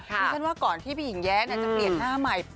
ดิฉันว่าก่อนที่พี่หญิงแย้จะเปลี่ยนหน้าใหม่